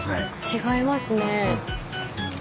違いますね。